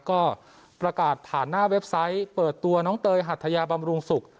ก็ประกาศผ่านหน้าเว็บไซต์เปิดตัวน้องเตยหัทยาบำรุงศุกร์